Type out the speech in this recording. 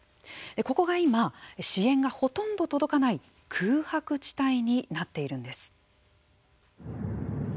ここが今支援がほとんど届かない空白地帯になっているんです。